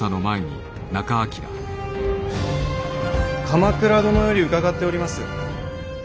鎌倉殿より伺っております。